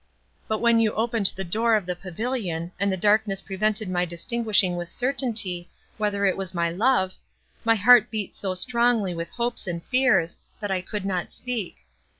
But, when you opened the door of the pavilion, and the darkness prevented my distinguishing with certainty, whether it was my love—my heart beat so strongly with hopes and fears, that I could not speak.